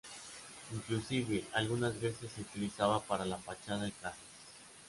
Inclusive, algunas veces se utilizaba para la fachada de casas.